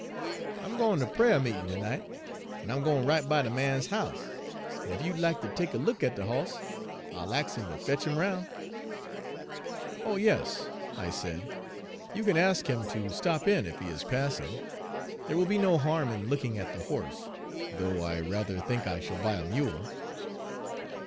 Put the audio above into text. I'm gwine ter pra'rmeetin' ter night, en I'm gwine right by de man's house, en ef you'd lack ter look at de hoss, I'll ax 'im ter fetch him roun'." "Oh, yes," I said, "you can ask him to stop in, if he is passing. There will be no harm in looking at the horse, though I rather think I shall buy a mule."